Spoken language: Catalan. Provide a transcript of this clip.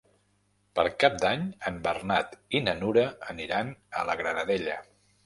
Per Cap d'Any en Bernat i na Nura aniran a la Granadella.